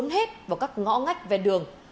hết vào các ngõ ngách về đường